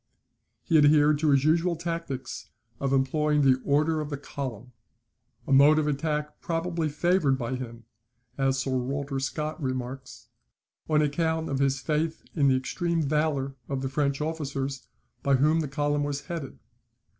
He adhered to his usual tactics of employing the order of the column; a mode of attack probably favoured by him (as Sir Walter Scott remarks) on account of his faith in the extreme valour of the French officers by whom the column was headed.